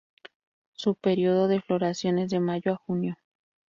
Su periodo de floración es de mayo a junio.